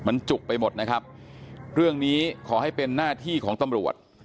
มันจุกไปหมดนะครับเรื่องนี้ขอให้เป็นหน้าที่ของตำรวจ